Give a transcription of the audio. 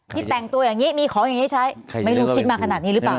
แต่งตัวอย่างนี้มีของอย่างนี้ใช้ไม่รู้คิดมาขนาดนี้หรือเปล่า